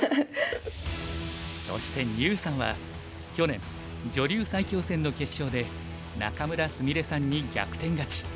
そして牛さんは去年女流最強戦の決勝で仲邑菫さんに逆転勝ち。